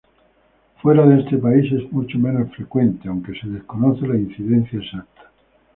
Fuera de esta país es mucho menos frecuente, aunque se desconoce la incidencia exacta.